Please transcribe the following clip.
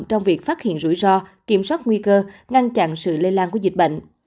trong việc phát hiện rủi ro kiểm soát nguy cơ ngăn chặn sự lây lan của dịch bệnh